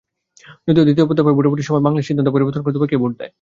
যদিও দ্বিতীয় দফায় ভোটাভুটির সময় বাংলাদেশ সিদ্ধান্ত পরিবর্তন করে দুবাইকে ভোট দেয়।